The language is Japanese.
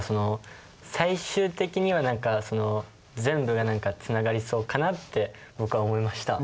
最終的には全部がつながりそうかなって僕は思いました。